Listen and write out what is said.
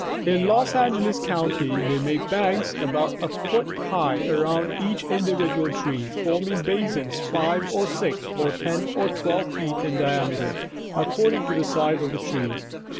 In Los Angeles county they make banks about a foot high around each individual tree, forming basins 5 or 6 to 10 or 12 feet in diameter according to the size of the tree.